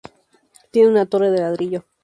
Tiene una torre de ladrillo.